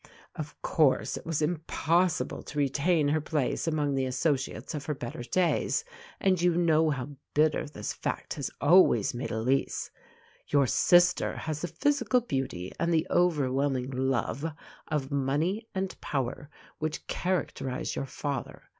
Of course it was impossible to retain her place among the associates of her better days, and you know how bitter this fact has always made Elise. Your sister has the physical beauty and the overwhelming love of money and power which characterized your father.